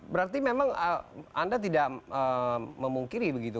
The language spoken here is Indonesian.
berarti memang anda tidak memungkiri begitu